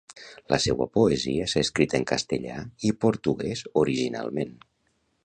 La seua poesia s'ha escrit en castellà i portuguès originalment.